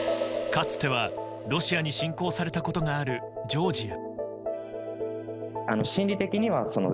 かつてはロシアに侵攻されたことがあるジョージア。